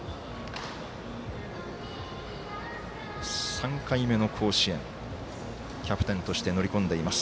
３回目の甲子園キャプテンとして乗り込んでいます。